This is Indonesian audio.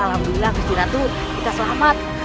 ya alhamdulillah gusti ratu kita selamat